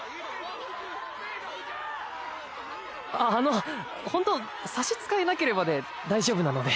ああのホント差し支えなければで大丈夫なので。